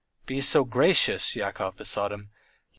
"Be so gracious," Yakov besought him.